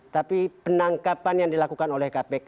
tapi penangkapan yang dilakukan oleh kpk